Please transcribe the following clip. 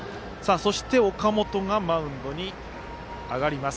そして、岡本がマウンドに上がります。